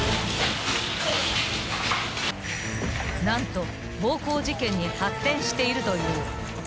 ［何と暴行事件に発展しているという］